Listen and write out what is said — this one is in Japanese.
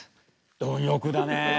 貪欲だね。